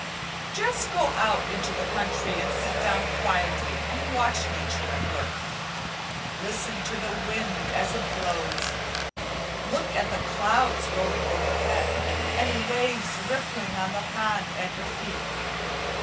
Just go out into the country, and sit down quietly and watch nature at work. Listen to the wind as it blows, look at the clouds rolling overhead, and waves rippling on the pond at your feet.